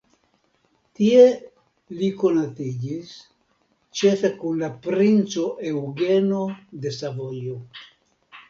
Tie li konatiĝis, ĉefe kun la princo Eŭgeno de Savojo.